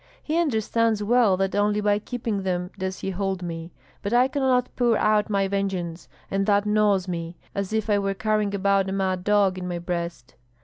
He understands well that only by keeping them does he hold me; but I cannot pour out my vengeance, and that gnaws me, as if I were carrying about a mad dog in my breast."